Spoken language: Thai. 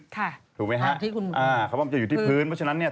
ถูกไหมฮะคาร์บอนจะอยู่ที่พื้นเพราะฉะนั้นเนี่ย